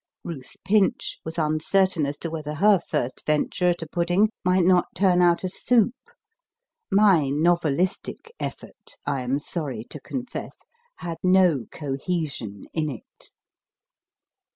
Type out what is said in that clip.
Ruth Pinch was uncertain as to whether her first venture at a pudding might not turn out a soup. My novelistic effort, I am sorry to confess, had no cohesion in it.